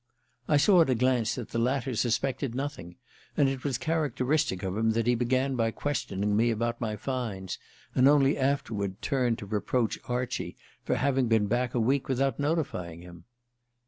I saw at a glance that the latter suspected nothing; and it was characteristic of him that he began by questioning me about my finds, and only afterward turned to reproach Archie for having been back a week without notifying him.